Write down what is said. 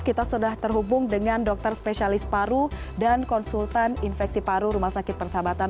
kita sudah terhubung dengan dokter spesialis paru dan konsultan infeksi paru rumah sakit persahabatan